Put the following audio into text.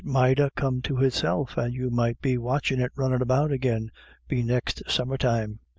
281 might ha* come to itself, and you might be watchin' it runnin' about agin, be next summer time.